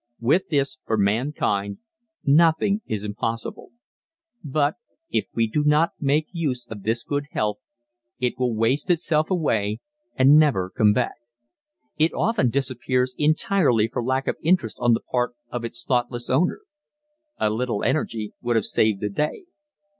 With this, for mankind, nothing is impossible. But if we do not make use of this good health it will waste itself away and never come back. It often disappears entirely for lack of interest on the part of its thoughtless owner. A little energy would have saved the day.